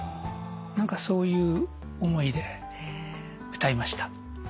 何かそういう思いで歌いました。